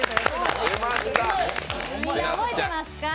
みんな覚えていますか？